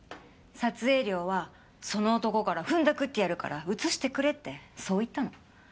撮影料はその男からふんだくってやるから写してくれってそう言ったの。